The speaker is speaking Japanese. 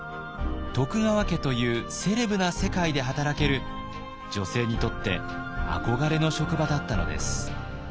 徳川家というセレブな世界で働ける女性にとって憧れの職場だったのです。